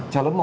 cho lớp một